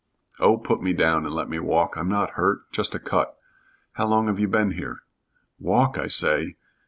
"Oh, put me down and let me walk. I'm not hurt. Just a cut. How long have you been here?" "Walk! I say!